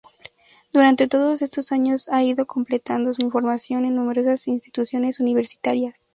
Durante todos estos años, ha ido completando su formación en numerosas instituciones universitarias.